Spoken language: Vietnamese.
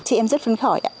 chị em rất phấn khởi